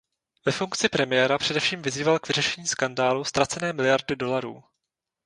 Ve funkci premiéra především vyzýval k vyřešení skandálu „ztracené miliardy dolarů“.